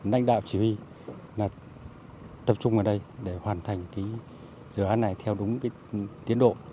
lãnh đạo chỉ huy là tập trung vào đây để hoàn thành dự án này theo đúng tiến độ